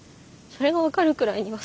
それが分かるくらいにはさ